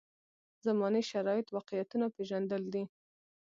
زمانې شرایط واقعیتونه پېژندل دي.